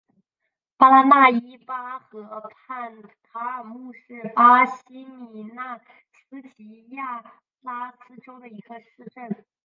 巴拉那伊巴河畔卡尔穆是巴西米纳斯吉拉斯州的一个市镇。